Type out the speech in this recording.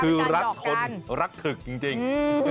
คือรักทนรักถึกจริง